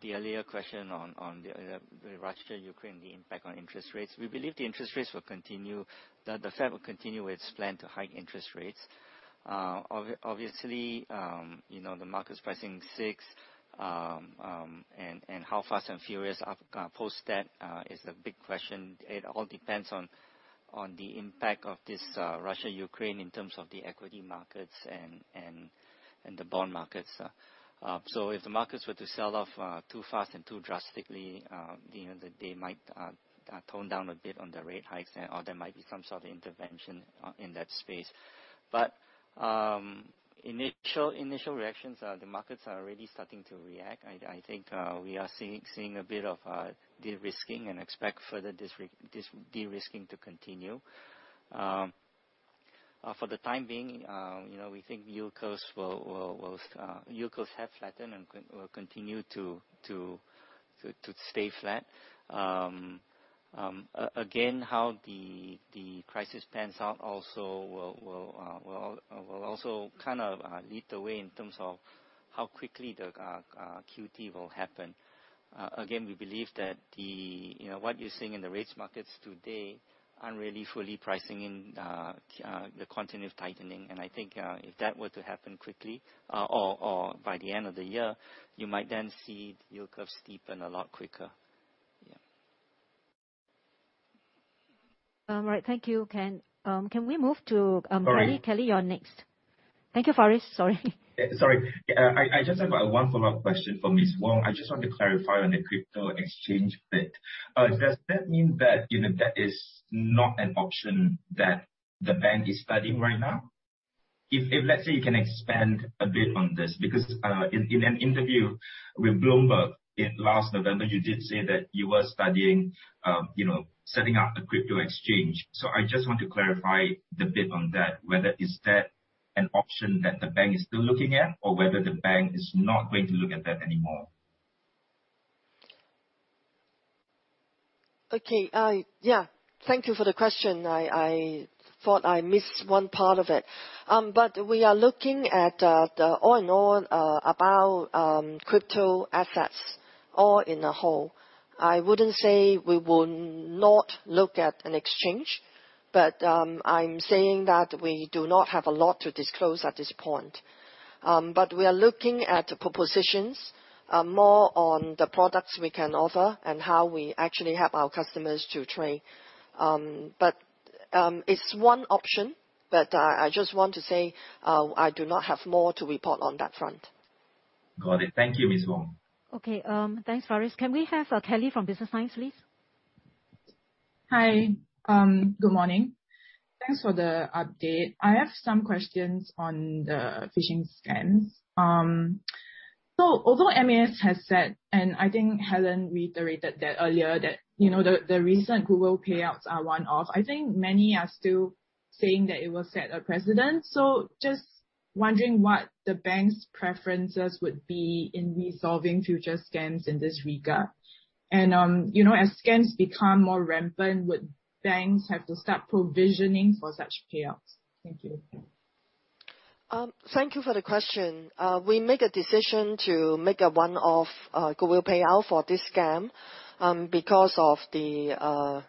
the earlier question on the Russia-Ukraine, the impact on interest rates. We believe the interest rates will continue, that the Fed will continue its plan to hike interest rates. Obviously, you know, the market's pricing six, and how fast and furious after that is the big question. It all depends on the impact of this Russia-Ukraine in terms of the equity markets and the bond markets. So if the markets were to sell off too fast and too drastically, you know, they might tone down a bit on the rate hikes or there might be some sort of intervention in that space. Initial reactions, the markets are already starting to react. I think we are seeing a bit of de-risking and expect further de-risking to continue. For the time being, you know, we think yield curves have flattened and will continue to stay flat. Again, how the crisis pans out also will kind of lead the way in terms of how quickly the QT will happen. Again, we believe that, you know, what you're seeing in the rates markets today aren't really fully pricing in the continued tightening. I think, if that were to happen quickly, or by the end of the year, you might then see yield curves steepen a lot quicker. Yeah. All right. Thank you, Ken. Can we move to? Sorry. Kelly. Kelly, you're next. Thank you, Farish. Sorry. Sorry. Yeah, I just have one follow-up question for Ms. Wong. I just want to clarify on the crypto exchange bit. Does that mean that, you know, that is not an option that the bank is studying right now? Let's say you can expand a bit on this, because in an interview with Bloomberg in last November, you did say that you were studying, you know, setting up a crypto exchange. So I just want to clarify the bit on that, whether that is an option that the bank is still looking at or whether the bank is not going to look at that anymore? Okay. Yeah. Thank you for the question. I thought I missed one part of it. We are looking at crypto assets as a whole. I wouldn't say we will not look at an exchange. I'm saying that we do not have a lot to disclose at this point. We are looking at propositions more on the products we can offer and how we actually help our customers to trade. It's one option. I just want to say I do not have more to report on that front. Got it. Thank you, Ms. Wong. Okay, thanks, Farish. Can we have Kelly from Business Line, please? Hi. Good morning. Thanks for the update. I have some questions on the phishing scams. Although MAS has said, and I think Helen reiterated that earlier, that, you know, the recent goodwill payouts are one-off. I think many are still saying that it will set a precedent. Just wondering what the bank's preferences would be in resolving future scams in this regard. You know, as scams become more rampant, would banks have to start provisioning for such payouts? Thank you. Thank you for the question. We make a decision to make a one-off goodwill payout for this scam because of the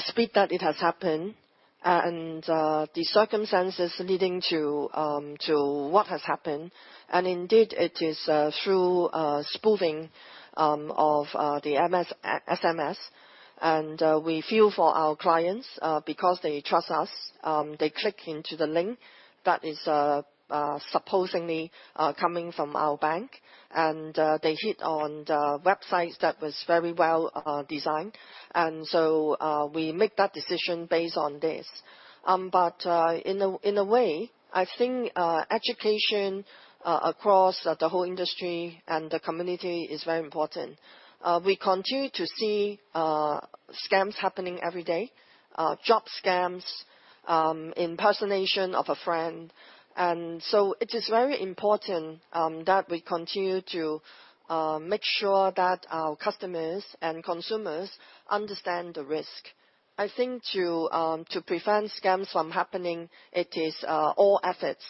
speed that it has happened and the circumstances leading to what has happened. Indeed, it is through spoofing of the SMS. We feel for our clients because they trust us. They click into the link that is supposedly coming from our bank. They hit on the websites that was very well designed. We make that decision based on this. In a way, I think education across the whole industry and the community is very important. We continue to see scams happening every day, job scams, impersonation of a friend. It is very important that we continue to make sure that our customers and consumers understand the risk. I think to prevent scams from happening, it is all efforts.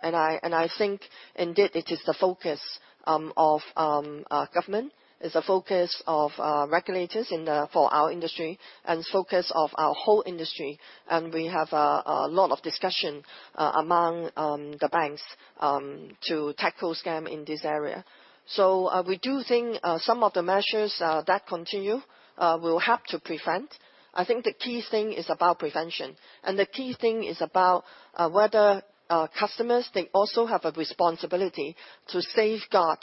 I think indeed it is the focus of government. It's the focus of regulators for our industry and focus of our whole industry. We have a lot of discussion among the banks to tackle scam in this area. We do think some of the measures that continue will help to prevent. I think the key thing is about prevention. The key thing is about whether our customers they also have a responsibility to safeguard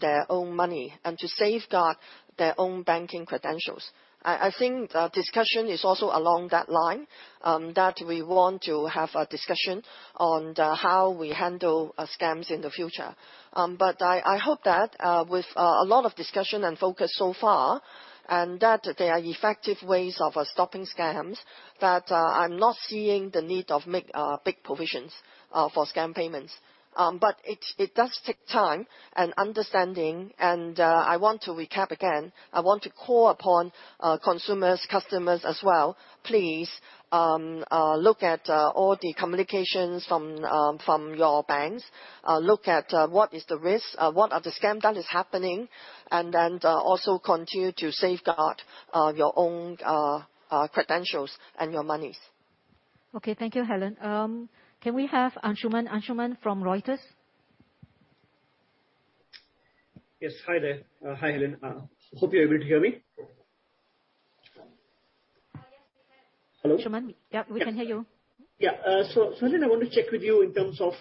their own money and to safeguard their own banking credentials. I think the discussion is also along that line, that we want to have a discussion on how we handle scams in the future. I hope that with a lot of discussion and focus so far, and that there are effective ways of stopping scams, that I'm not seeing the need to make big provisions for scam payments. It does take time and understanding. I want to recap again. I want to call upon consumers, customers as well, please look at all the communications from your banks. Look at what is the risk, what are the scam that is happening, and then also continue to safeguard your own credentials and your monies. Okay. Thank you, Helen. Can we have Anshuman? Anshuman from Reuters. Yes. Hi there. Hi, Helen. Hope you're able to hear me. Yes, we can. Hello? Anshuman, yeah, we can hear you. Yeah, so then I want to check with you in terms of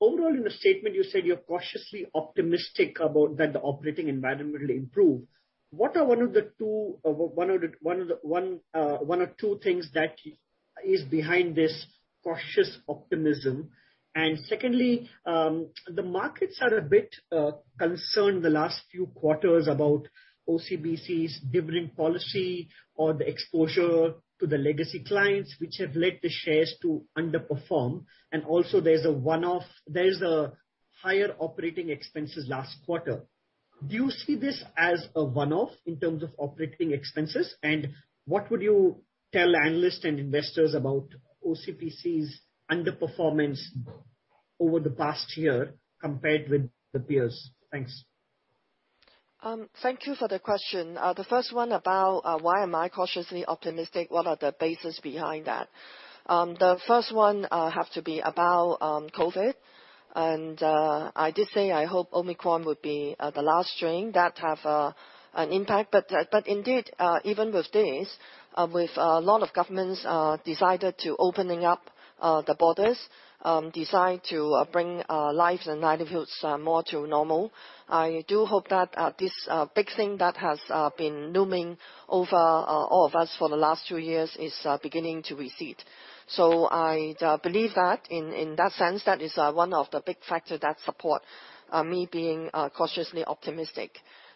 overall in the statement, you said you're cautiously optimistic about the operating environment will improve. What are one or two things that is behind this cautious optimism? And secondly, the markets are a bit concerned the last few quarters about OCBC's dividend policy or the exposure to the legacy clients, which have led the shares to underperform. And also there's a one-off. There's higher operating expenses last quarter. Do you see this as a one-off in terms of operating expenses? And what would you tell analysts and investors about OCBC's underperformance over the past year compared with the peers? Thanks. Thank you for the question. The first one about why am I cautiously optimistic, what are the basis behind that? The first one have to be about COVID. I did say I hope Omicron would be the last strain that have an impact. But indeed, even with this, with a lot of governments deciding to open up the borders, deciding to bring lives and livelihoods more to normal. I do hope that this big thing that has been looming over all of us for the last two years is beginning to recede. I believe that in that sense, that is one of the big factor that support me being cautiously optimistic.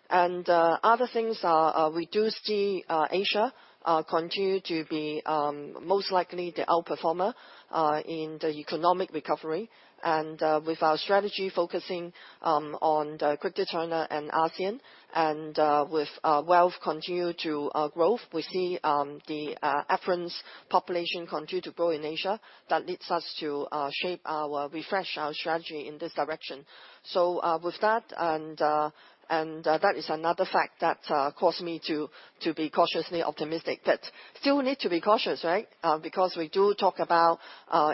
Other things are we do see Asia continue to be most likely the outperformer in the economic recovery. With our strategy focusing on the Greater China and ASEAN, and with wealth continue to grow, we see the affluent population continue to grow in Asia. That leads us to refresh our strategy in this direction. With that is another factor that cause me to be cautiously optimistic. Still need to be cautious, right? Because we do talk about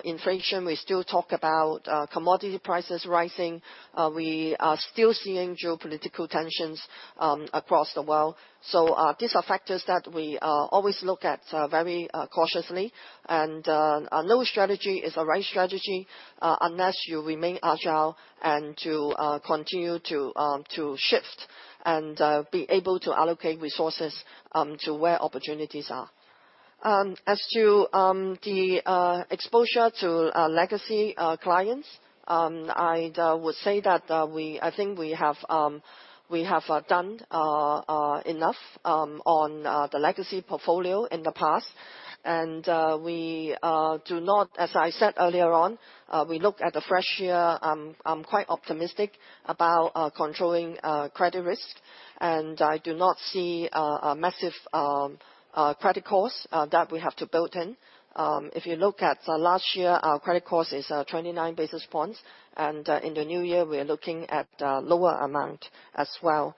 inflation. We still talk about commodity prices rising. We are still seeing geopolitical tensions across the world. These are factors that we always look at very cautiously. No strategy is the right strategy unless you remain agile and continue to shift and be able to allocate resources to where opportunities are. As to the exposure to legacy clients, I'd say that I think we have done enough on the legacy portfolio in the past. As I said earlier on, we look at the fresh year. I'm quite optimistic about controlling credit risk, and I do not see a massive credit loss that we have to build in. If you look at last year, our credit cost is 29 basis points, and in the new year we're looking at lower amount as well.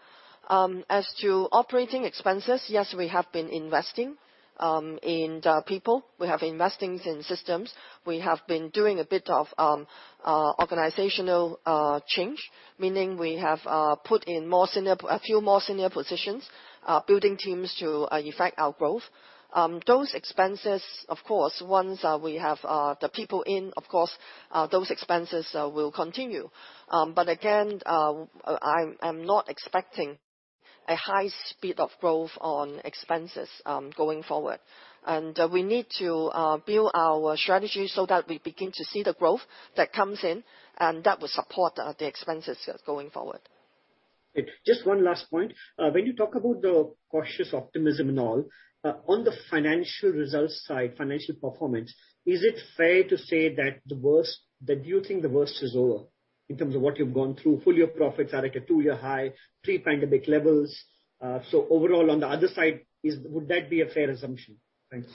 As to operating expenses, yes, we have been investing in the people. We have investments in systems. We have been doing a bit of organizational change. Meaning we have put in a few more senior positions, building teams to effect our growth. Those expenses, of course, once we have the people in, of course, those expenses will continue. I'm not expecting a high speed of growth on expenses going forward. We need to build our strategy so that we begin to see the growth that comes in, and that will support the expenses going forward. Just one last point. When you talk about the cautious optimism and all, on the financial results side, financial performance, is it fair to say that you think the worst is over in terms of what you've gone through? Full-year profits are at a two-year high, pre-pandemic levels. Overall, on the other side, would that be a fair assumption? Thanks.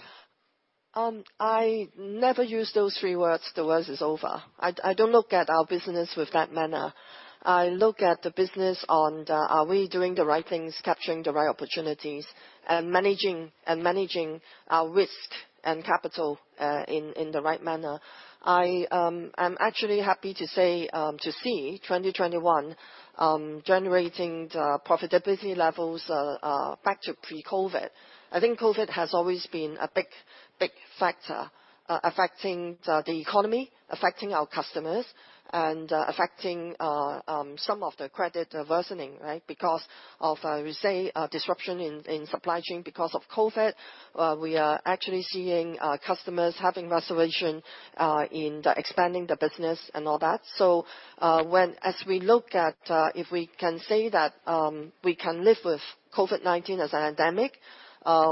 I never use those three words, "The worst is over." I don't look at our business with that manner. I look at the business on the are we doing the right things, capturing the right opportunities, and managing our risk and capital in the right manner. I am actually happy to say to see 2021 generating the profitability levels back to pre-COVID. I think COVID has always been a big factor affecting the economy, affecting our customers, and affecting some of the credit worsening, right? Because, as we say, disruption in supply chain because of COVID. We are actually seeing customers having reservation in expanding the business and all that. When... As we look at if we can say that we can live with COVID-19 as an endemic,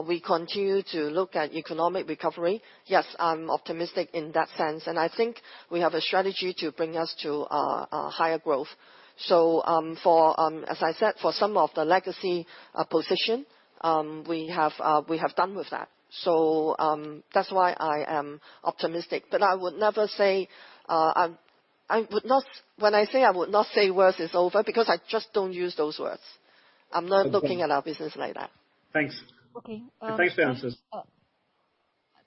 we continue to look at economic recovery. Yes, I'm optimistic in that sense, and I think we have a strategy to bring us to higher growth. As I said, for some of the legacy position, we have done with that. That's why I am optimistic. I would never say the worst is over, because I just don't use those words. Okay. I'm not looking at our business like that. Thanks. Okay. Thanks for the answers. Oh.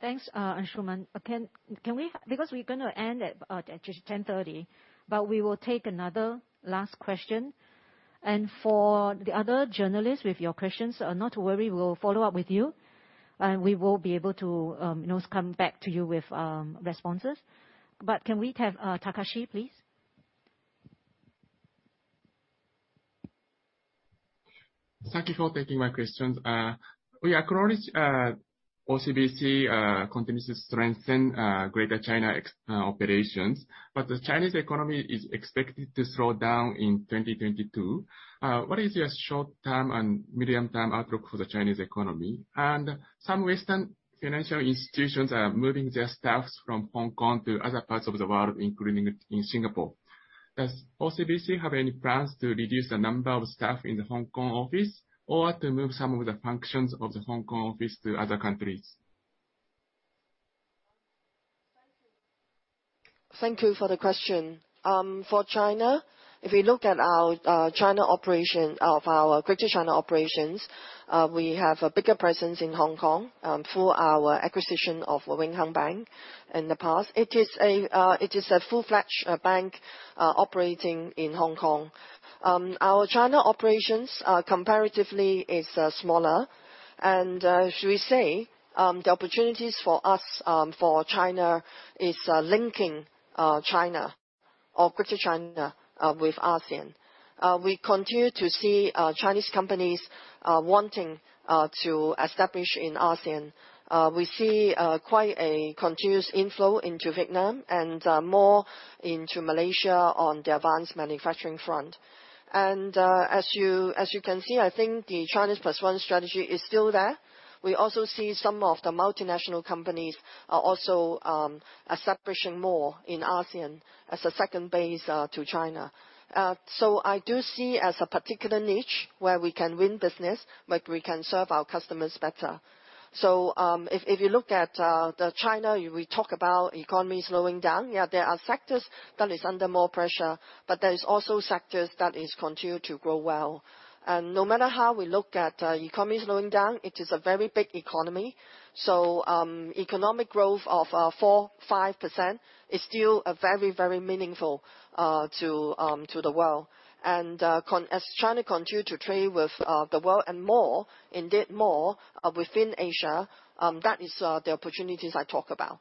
Thanks, Anshuman. Can we because we're gonna end at just 10:30, but we will take another last question. For the other journalists with your questions, not to worry, we'll follow up with you, and we will be able to come back to you with responses. Can we have Takashi please? Thank you for taking my questions. We acknowledge OCBC continues to strengthen Greater China operations, but the Chinese economy is expected to slow down in 2022. What is your short-term and medium-term outlook for the Chinese economy? Some Western financial institutions are moving their staffs from Hong Kong to other parts of the world, including in Singapore. Does OCBC have any plans to reduce the number of staff in the Hong Kong office, or to move some of the functions of the Hong Kong office to other countries? Thank you for the question. For China, if we look at our China operation of our Greater China operations, we have a bigger presence in Hong Kong through our acquisition of Wing Hang Bank in the past. It is a full-fledged bank operating in Hong Kong. Our China operations are comparatively smaller. Should we say, the opportunities for us for China is linking China or Greater China with ASEAN. We continue to see Chinese companies wanting to establish in ASEAN. We see quite a continuous inflow into Vietnam, and more into Malaysia on the advanced manufacturing front. As you can see, I think the China Plus One strategy is still there. We also see some of the multinational companies are also establishing more in ASEAN as a second base to China. I do see as a particular niche where we can win business, but we can serve our customers better. If you look at the China, we talk about economy slowing down, yeah, there are sectors that is under more pressure, but there is also sectors that is continued to grow well. No matter how we look at economy slowing down, it is a very big economy. Economic growth of 4%-5% is still very, very meaningful to the world. As China continue to trade with the world and more indeed more within Asia, that is the opportunities I talk about.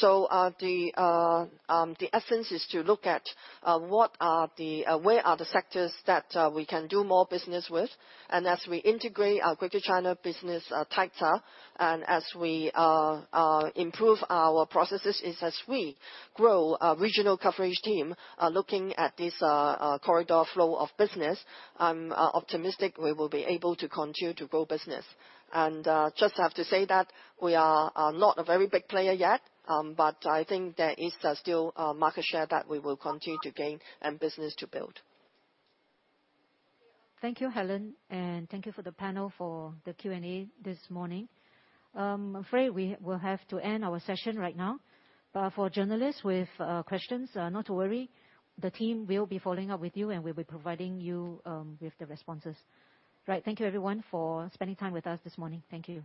The essence is to look at the sectors that we can do more business with, and as we integrate our Greater China business tighter, and as we improve our processes as we grow our regional coverage team, looking at this corridor flow of business, I'm optimistic we will be able to continue to grow business. Just have to say that we are not a very big player yet, but I think there is still market share that we will continue to gain and business to build. Thank you, Helen, and thank you for the panel for the Q&A this morning. I'm afraid we will have to end our session right now. For journalists with questions, not to worry, the team will be following up with you and we'll be providing you with the responses. Right. Thank you everyone for spending time with us this morning. Thank you.